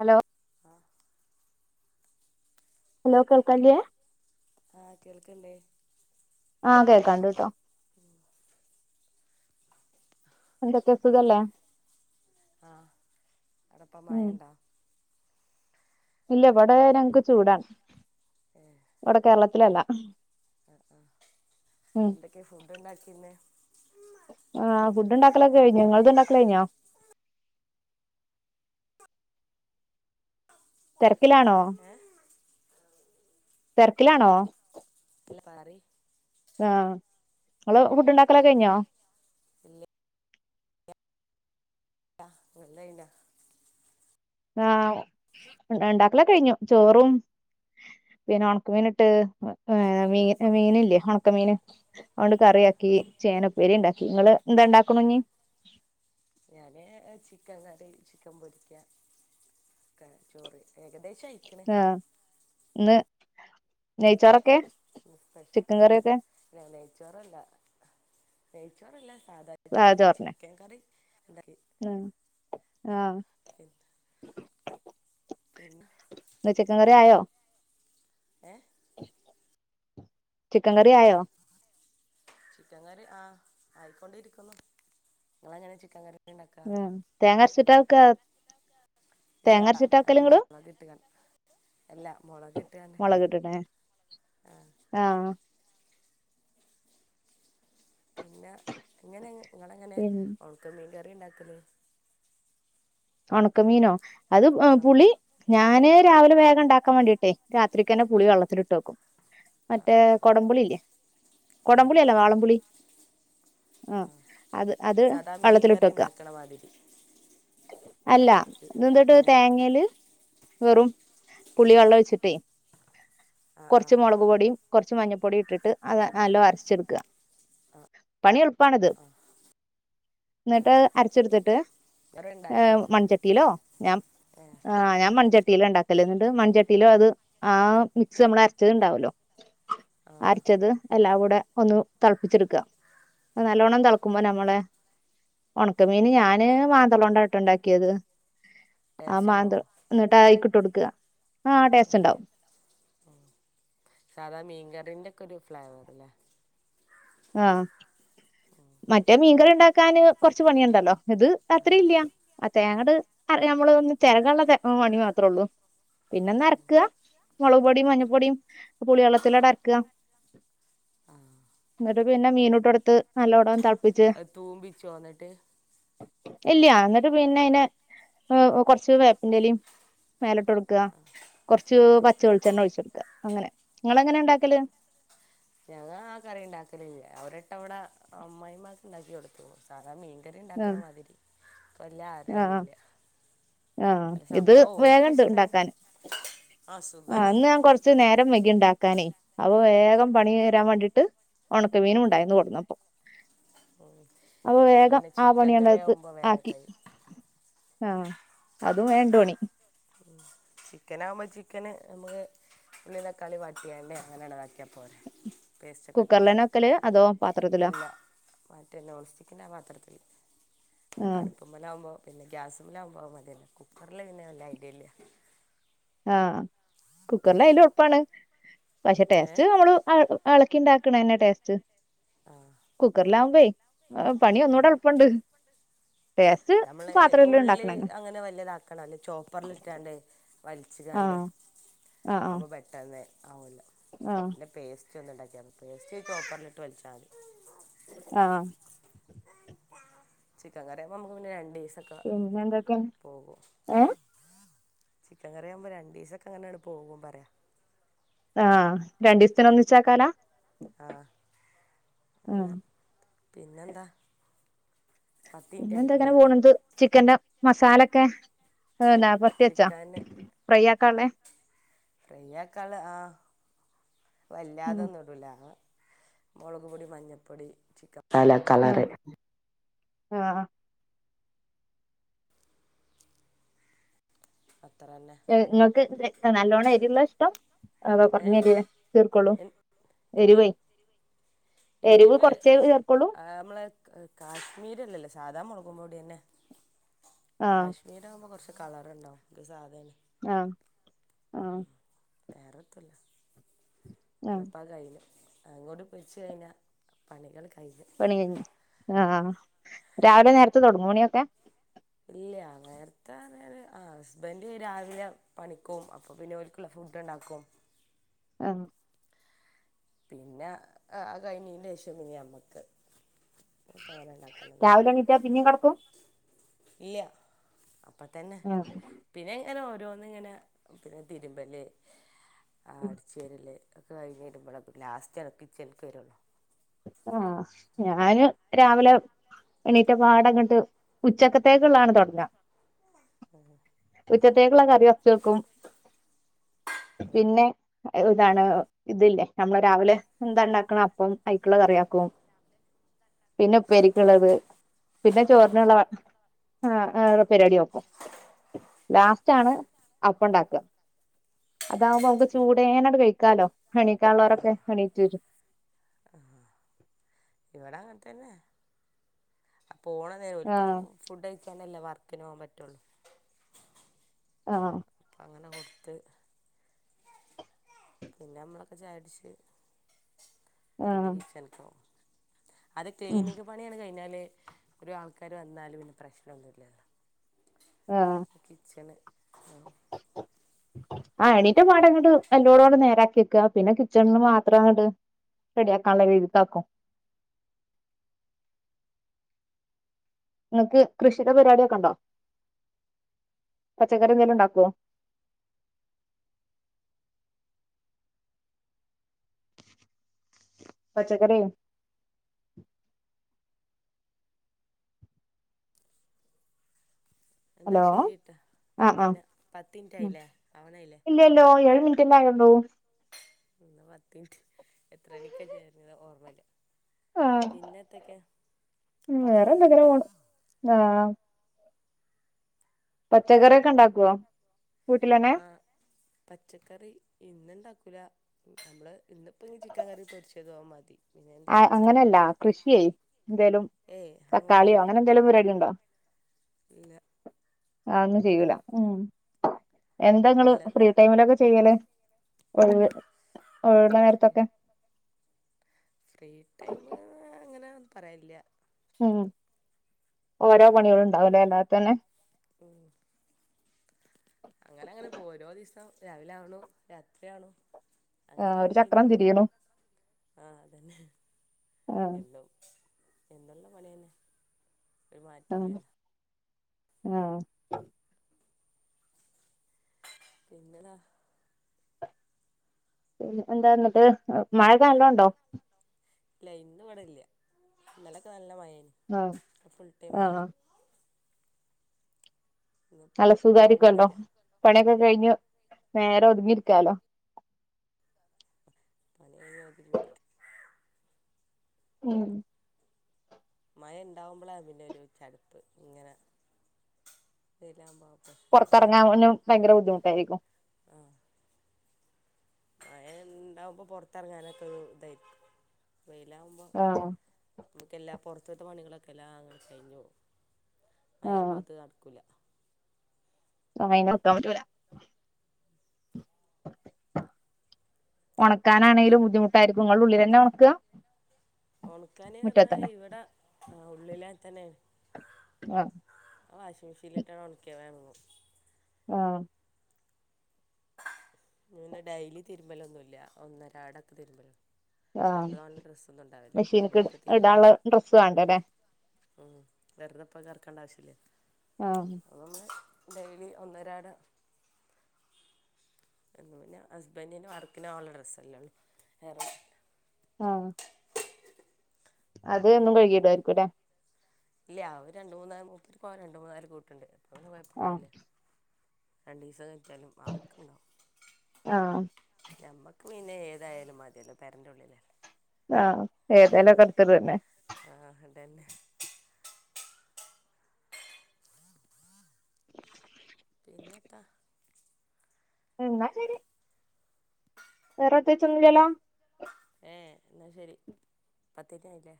Hello ആഹ് hello കേൾക്കല്യേ? ആഹ കേൾക്കണ്ടേ ആ കേൾക്കാണ്ട കേട്ടോ എന്ത ക സുഖല്ല ആഹ അടപ്പ മഴണ്ടോ? ഇല്ല ഇവിടെ ഞങ്ങക്ക് ചൂടാണ് ഇവിടെ കേരളത്തിലല്ല ആ ആ എന്തൊക്കെയ ഫുഡ് ഉണ്ടാക്കിന്ന. ആഹ ഫുഡ് ഉണ്ടാക്കലൊക്കെ കഴിഞ്ഞു എങ്ങടാ ഇണ്ടാക്കല്ല കഴിഞ്ഞോ തിരക്കിലാണോ ഏഹ് തിരക്കിലാണോ? പറയ്യ് ആഹ നിള് ഫുഡ് ഉണ്ടാക്കല കഴിഞ്ഞോ? ഇല്ലെ. [unintelligible] ആഹ് ഉണ്ടാക്കല കഴിഞ്ഞു ചോറും പിന്നെ ഉണക്കമീൻ ഇട്ട് ഏ മീ മീന ഇല്ലേ ഉണക്കമീൻ അതുകൊണ്ട് കറിയക്കി ചേനപ്പേരി ഉണ്ടാക്കി നിങ്ങള് എന്താ ഉണ്ടാക്നിനി [unintelligible] ഞാന്േ ചിക്കൻ കറി ചിക്കൻ പൊരിക്കക്കെ ചോറ് ഏകദേശം അയിക്കണേ നെയ് ചോറക്കെ നെയ്ച്ചോറല്ല നെയ്ച്ചോറല്ല സാദാ അരി ചോറ് ചിക്കൻ കറി ആ ആ പി [unintelligible] ചിക്കൻ കറി ആയോ ഏ ചിക്കൻ കറി ആയോ? ചിക്കൻകറി ആഹ് ആയിക്കൊണ്ടിരിക്കുന്നു നിങ്ങളങ്ങനെ ചിക്കൻ കറി ഉണ്ടാക്ക ഉം തേങ്ങാ അരച്ചിട്ടാവെക്കുക ഇല്ല മൊളക് ഇട്ടുകാൻ ഇല്ലാ മൊളക് ഇട്ടു തന്നെ ആ പിന്നെ ഇങ്ങനെ ഇങ്ങളങ്ങനെയാ പിൻ ഒണക്കമീൻ കറി ഇണ്ടാക്കല് ഒണക്കമീനോ അത് ആ പുളി ഞാന് രാവിലെ വേഗം ഇണ്ടാക്കാൻ വേണ്ടിയിട്ടെ രാത്രിക്ക്ന്നെ പുളി വെള്ളത്തിട്ട് വെക്കും ആ മറ്റേ ആ കൊടംപുളി ഇല്ലേ ആ കൊടംപുളി അല്ല വാളംപുളി ആ അത് അത് സാദാ മീൻ വള്ളത്തിലിട്ട് കറി വെക്കുക ഉണ്ടാക്കണ മാതിരി അല്ല ത് എന്തോട്ട് ഏ തേങ്ങേല് വെറും പുളി വെള്ളം ഒഴിച്ചിട്ടേ ആ ആ കൊറച്ച് മൊളക് പൊടിയും കുറച്ച് മഞ്ഞപ്പൊടി ഇട്ടിട്ട് അത് നല്ലോ അരച്ചെടുക്കുക പണി എളുപ്പാണിത് ആ എന്നിട്ട് അരച്ചെടുത്തിട്ട് വേറെ ഏ് ഉണ്ടാക്കി നോക്കിയാണ് മൺചട്ടിയിലോ ഞാൻ ഏ ആ ഞാൻ മൺചട്ടി ചട്ടില ഇണ്ടാക്കല് എന്നിണ്ട് മൺചട്ടിയില് അത് ആ മിക്സ് നമ്മൾ അരച്ചത് ഉണ്ടാവല്ലോ ആ അരച്ചത്എല്ലാം കൂ ടെ ഒന്ന് തെളപ്പിച്ചെടുക്കുക നല്ലോണം തെളക്കുമ്പോ നമ്മളെ ഒണക്കമീന് ഞാന് മാന്തളൊണ്ടാ ണ്ടാക്കിയത് ആ ടേസ്റ്റ് ഉണ്ടാവോ മാന്തൾ എന്നിട്ട് ആയിക്കിട്ട് കൊടുക്കുക ആ ടേസ്റ്റ് ഉണ്ടാവും സാധാ മീൻകറിന്റെ ഒരു ഫ്ലൈവറ് ല്ലെ? ആ മറ്റേ മീൻകറി ഉണ്ടാക്കാന് കൊറച്ച് പണിയുണ്ടല്ലോ ഇത് ആ അത്ര ഇല്ല തേങ്ങ അങ്ങട് നമ്മൾ ഒന്ന് തെരകാനുള്ള പണി മാത്രേ ഉള്ളു പിന്നൊന്ന് അരയ്ക്കുക മുളക് പൊടിയും മഞ്ഞൾപ്പൊടിയും പുളി വെള്ളത്തിലോടെ അരക്കുക ആ എന്നിട്ട് പിന്നെ മീനുട്ട് കൊടുത്ത് നല്ലോണം തെ തൂമ്പിച്ചുവോ എന്നിട്ട് ഇല്ല എന്നിട്ട് പിന്നെ അയിന് കൊറച്ച് വേപ്പിന്റെലയും മേലെട്ട് കൊടുക്കുക കൊറച്ച് ആ പച്ച വെളിച്ചെണ്ണ ഒഴിച്ച് കൊടുക്കുക അങ്ങനെ നിങ്ങളെങ്ങനെണ്ടാക്കല് ഞങ്ങ ആ കറി ഇണ്ടാക്കലില്ലേ ഒരിട്ടവിടെ അമ്മായിമ്മക്ക് ഇണ്ടാക്കി കൊടുത്തു സാദാമീൻ കറി ഇണ്ടാക്കണ ആഹ് മാതിരി വല്യ അറിയൊന്നുല്ല ആ ഇത് വേഗണ്ട് ഇണ്ടാക്കാൻ ആ അന്ന് ഞാൻ കൊറച്ച നേരം വൈകി ഇണ്ടാക്കാനേ അപ്പൊ വേഗം പണി തീരാൻ വേണ്ടിട്ട് ഒണക്കമീനും ഉണ്ടായിന്ന് കൊണ്ടന്നപ്പം ഉം അപ്പൊ നമുക്ക് വേഗം പിന്നെ ആ ചിക്കൻ പണിയണ്ട കറി അടുത്ത് ആവുമ്പോ വേഗം ആക്കി കഴിയും ആ അതും വേണ്ടോണി ചിക്കൻ ആകുമ്പോ ചിക്കന് നമുക്ക് ഉള്ളീം തക്കാളീം വാട്ടിയാണ്ട് അങ്ങനെണതാക്കിയ കുക്കറിലന്നെ വെക്കല് അതോ പാത്രത്തിലോ ഇല്ല മറ്റേ നോൺസ്റ്റിക്കിന്റെ പാത്രത്തില് ആഹ് അടുപ്പമ്മലേ ആകുമ്പോ പിന്നെ ഗ്യാസുംമില് ആകുമ്പ മതില്ല കുക്കറിൽ പിന്നെ വല്ല്യ ഐഡിയ ഇല്ല ആ കുക്കറില് അതില് എളുപ്പാണ് പക്ഷേ ഏ ടേസ്റ്റ് നമ്മള് എ എള കിണ്ടാക്കണനെന്റെ ടേസ്റ്റ് ആ കുക്കറിലാകുമ്പയി പണി ഒന്നൂടെ എളുപ്പുണ്ട് നമ്മള് ഉള്ളി അങ്ങനെ വലിയതാക്കണം അല്ലെ ചോപ്പർലിട്ടാണ്ടേ വലിച്ച്ക്കാണ്ട് ആഹ് ആഹ് ആഹ് ആകുബോ പെട്ടന്ന് ആക്കുല്ലേ ആഹ് പിന്നെ പേസ്റ്റ് [unintelligible] പേസ്റ്റ് ചോപ്പറിൽ ഇട്ട് വലിച്ചാൽ മതി ആഹ് ചിക്കൻ കറിയാകുബം നമ്മുക്ക് പിന്നെ രണ്ടി പിന്നെ എന്തൊക്കെയ ഏ ചിക്കൻ കറിയ ആവുമ്പോ രണ്ടിസൊക്കെ അങ്ങനെയാണ് പോകും പറയാ ആ രണ്ടീസത്തിന് ഒന്നിച്ചാകാനാ ആ ആ അങ്ങനെ പിന്നെന്താ പത്ത് മിനിറ്റ് പിന്നെന്തെ ഇങ്ങനെ ആയിട്ടില്ലല്ലോ പോണത് ചിക്കന്റെ മസാലൊക്കെ നാപ്പത്തിച്ചാ ചിക്കൻ ഫ്രൈയാക്കള്ള ഫ്രേ ആക്കാള്ളെ ആ ഉം വല്ലാതൊന്നും ഇടൂല മുളക് പൊടി മഞ്ഞപ്പൊടി ചിക്കൻ മാസാല കളറ് ആ അത്ര തന്നെ നിങ്ങൾക്ക് നല്ലോണം എരിയുളളയ് ഇഷ്ടം അതാ ഏ കെറഞ്ഞ എരിവ് തീർക്കോളൂ എന്ത് എരുവ് എരിവ് ആ നമ്മളെ കാശ്മീര്ല്ലല്ലേ സാധാ മെളക് പെടിന്നെ ആഹ് കാശ്മീർ ആകുമ്പോ കുറച്ച് കളർഉണ്ടാവും ഇത് സാതേണ് ആ. ആ വേറെത്തുല്ല അത് ആഹ് ഇപ്പെ കയ്യിഞ്ഞു അങ്ങോട്ട് പെരിച്ച് കഴിഞ്ഞ പണികൾ ഒക്കെ പണി കഴിഞ്ഞു ആ ആ രാവിലെ നേരത്ത് തുൊടങ്ങു പണിയൊക്കെ ഇല്ല നേരത്തെ അങ്ങനെ ആ ഹസ്ബൻഡ് രാവിലെ പണിക്ക് പോവും അപ്പൊ പിന്നെ ഒല്ക്ക് ഉള്ള ഫു ഡ്ഉണ്ടാക്കും ആ പിന്നെ ആ കഴിഞ്ഞീന്റെ ശേഷം പിന്നെ ഞമ്മക്ക് രാവിലെ എണീട്ടാ പിന്നെയും കടക്കും ഇല്ല അപ്പ തന്നെ ആഹ് പിന്നെ അങ്ങനെ ഓരോന്ന ഇങ്ങനെ പിന്നെ തിരുമ്പല് അടിച്ചേരൽ ഒക്കെ കഴിഞ്ഞഞ് വരുമ്പോള ലാസ്റ്റ് കിച്ചൺക്ക് വരും ആ ഞാന് രാവിലെ എണീറ്റ പാടങ്ങോട്ട് ഉച്ചക്കത്തേക്കള്ളാണ് തുടങ്ങ ആഹ ഉച്ചക്കത്തേക്കുള്ള കറി വെച്ച് വെക്കും പിന്നെ ഇതാണ് ഇതില്ലേ നമ്മള് രാവിലെ എന്താ ഉണ്ടാക്കണം അപ്പം അയ് ഉള്ള കറിയാക്കും പിന്നെ ഉപരിക്കുള്ളത് പിന്നെ ചോറിനുള്ള വ ആ ആ പരിവാടി നോക്കും ലാസ്റ്റ് ആണ് അപ്പം ഇണ്ടാക്ക അതാവുമ്പോ നമുക്ക് ചൂടേനട് കഴിക്കാലോ എണീക്കൻ ഉള്ളവരൊക്കെ എണീറ്റ് വരും ആഹ ഇവിടെ അങ്ങനെത്ത തന്നെ അ പോണ നേരം ഒൽക്കും ആഹ് ഫുഡ് കഴിക്കാനല് വർക്കന് പോകൻ പറ്റുള്ളൂ ആ അപ്പം അങ്ങനെ കൊടുത്ത് പിന്നെ നമ്മളൊക്കെ ചായ കുടിച്ച് പിന്നെ ആഹ് കിച്ചണക്ക് പോവും അത് ഉം ക്ലീനിങ്ങ് പണിയാണ് കഴിഞ്ഞാല് ഒരു ആൾക്കാാര് വന്നാലും പിന്നെ പ്രശ്നം ഒന്നും ഇല്ല ആഹ് കിച്ചണ് ആ എണീറ്റ പാടങ്ങിട്ട് എല്ലോടടെ നേരാക്കി വക്കാ പിന്നെ കിച്ചണിന് മാത്രങ്ങട് റെഡി ആക്കാനുള്ള രീതിക്ക് ആക്കും അം [unintelligible] ഇങ്ങക്ക് കൃഷിടെ പരിപാടിയൊക്കെണ്ടോ? പച്ചക്കറി എന്തെലും ഉണ്ടാക്കുവോ? പച്ചക്കറിയോ? എന്നാ ഹലോ ശരി ട്ടാ പിന്നെ പത്ത് മിനിറ്റ് ആയിലേ ഇല്ല്യല്ലോ ഏഴ് മിനിറ്റ് അല്ലെ ആയൊള്ളൂ. ഇന്നാ പത്ത് മിൻറ്റ് എത്ര മണിക്കാ ചേര്ണ് ഓർമൽ ആഹ് ഉം പത്ത് വേറെന്തങ്ങനെ മിനിറ്റിന് പോണ്. ആഹ് പച്ചക്കറിയൊക്കെ ഉണ്ടാക്കുവോ? വീട്ടിലന്നെ ആ പച്ചക്കറി ഇന്ന്ണ്ടാ ക്കുല നമ്മള് ഇന്ന്പ്പങ്ങി ചിക്കൻ കറി പൊരിച്ചതും അഹ് മതി പിന്നെ ആ എന്തെങ്കിലും അങ്ങനെയല്ല അച്ചാറുണ്ടായിരുന്നു കൃഷിയെ എന്തേലും ഏയ് തക്കാളിയോ അങ്ങനെയൊന്നുമില്ല അങ്ങനെ എന്തേലും പരിപാടി ഇണ്ടോ? ഇല്ല. ആ ഒന്നും ചെയ്യൂല ഉം എന്താ ഇങ്ങള് ഇല്ല ഫ്രീ ടൈമിലൊക്കെ ചെയ്യല്? ഒഴിവ്, ഒഴിവ് ഫ്രീ നേരത്തൊക്കെ ഫ്രീ ടൈം അങ്ങനെ പറയാല്ല്യ. ഉം ഓരോ പണികളും നമ്മളെ ഉണ്ടാവല്ലോ അല്ലാതെ തന്നെ. അങ്ങനെ അങ്ങനെ പോവു ഓരോ ദിവസം രാവിലെ ആവുണു രാത്രിയാവ്ണു. ആ ഒരു അങ്ങനെങ്ങനെണ്ട് കയ്ഞ് ചക്രം പോണൂ തിരിയണു ആ അതന്നെ ആ എല്ലോം. എന്നുള്ള പണിയന്നെ ഒരു മാറ്റൂല്ല്യല്ലോ. ആഹ്. പിന്നെതാ [unintelligible] എന്താന്നിട്ട് മഴക്കെ നല്ലോണ്ടോ? ഇല്ല ഇന്ന് ഇവിടെല്ല്യ ഇന്നലക്കെ നല്ല മഴേ ആഹ് ആ ഇന്നിപ്പോ നല്ല സുഖായിരിക്കൊല്ലോ കുറവുണ്ടായില്ല പണിയൊക്കെ കയ്ഞ്ഞ് നേരെ ഒതുങ്ങിരിക്കാലോ പണ്യയ്ഞ്ഞാ ഒതുങ്ങിരിക്കാ ഉം മയ ഉണ്ടാവുമ്പളാ പിന്നെ ഒരു ചടുപ്പ് ഇങ്ങനെ വെയ്ലാവുമ്പോ പൊറത്തെറങ്ങാനും ഭയങ്കര ബുദ്ധിമുട്ടായിരിക്കും മയ ഇണ്ടാവുമ്പൊ പൊറത്തെറങ്ങാനൊക്കെ ഇതായിരിക്കും വെയില് ആവുമ്പോ ആഹ് നമുക്കെല്ലാ പൊറത്ത്ത്തെ പണികളൊക്കെ എല്ലാ അങ്ങനെ കയ്ഞ്ഞ് പോവും. ആഹ് മയാവുമ്പോ അത് നടക്കൂല. ആയ് നോക്കാൻ പറ്റൂല. ഒന്നണക്കാനാണേലും പിന്നെ ബുദ്ധിമുട്ടായിരിക്കും ഇങ്ങള് ഉള്ളിലെന്നെ ഒണക്ക ഒണക്കാന് അറഞ്ഞാ ഇവിടെ ആ ഉള്ളിലാ തന്നേണ്. ആഹ് ആ വാഷിംഗ് മെഷീനിലിട്ടാണ് ഒണക്ക്യാ വേം ഒണങ്ങും ആഹ് ഞാൻ പറന്നെ ഡെയ്ലി തിരുമ്പലൊന്നും ഇല്ല്യ ഒന്നരാടൊക്കെ തിരുമ്പല് ആഹ് മെഷീന്ക്ക് ഇട് ഇന്നിപ്പോൾ തിരുമ്പ ഇടാള്ള ഡ്രസ്സ് വാണ്ടലേ. ഉം വെറ്തപ്പോ അഹ് കറക്കണ്ട ആവശ്യല്ല്യാ ആഹ്. ഡെയ്ലി ഒന്നരാടം എന്നും പിന്ന ഹസ്ബൻഡന് വർക്കിന് പോവാള്ള ഡ്രസ്സല്ലേ ഉള്ളു വേറെന്നൂല്ലാ ആഹ്. അത് എന്നും കഴുകിടുവായിരിക്കും ലേ. ഇല്ല്യ അവ് രണ്ട് മൂന്നാ മൂപ്പര്ക്കോവാൻ രണ്ട് മുന്നാല് കൂട്ട്ണ്ട് അപ്പൊ പിന്നെ കൊഴപ്പം ആഹ് ഇണ്ടാവൂല്ല്യ. രണ്ടീസം [unintelligible] ആൾക്ക്ണ്ടാവും ആഹ് ഞമ്മ പിന്നെ ഏതായാലും മതിയല്ലോ പെര്ന്റെ ഉള്ളില് ആഹ് ഏതേലുക്ക അടുത്തതുതന്നേ ആഹ് അതന്നെ പിന്നെത്താ എന്നാ ശരി വേറെ പ്രെത്യേച്ച് ഒന്നും ഇല്ല്യല്ലോ ഏഹ് എന്നാ ശരി പത്തിറ്റായില്ലേ